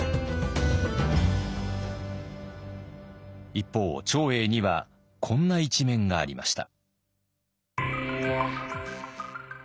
一方長英にはこんな一面がありました。